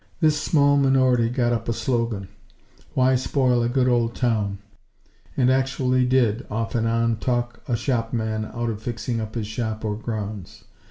This small minority got up a slogan: "Why Spoil a Good Old Town?" and actually did, off and on, talk a shopman out of fixing up his shop or grounds.